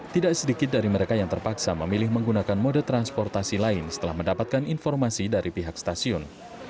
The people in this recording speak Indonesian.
tidak sedikit dari mereka yang terpaksa memilih menggunakan mode transportasi lain setelah mendapatkan informasi dari pihak stasiun